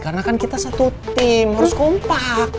karena kan kita satu tim harus kompak